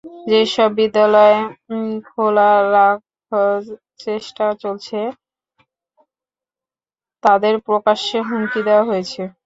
যেসব বিদ্যালয় খোলা রাখ চেষ্টা চলেছে, তাদের প্রকাশ্যে হুমকি দেওয়া হয়েছে।